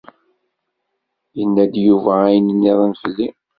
Yenna-d Yuba ayen nniḍen fell-i?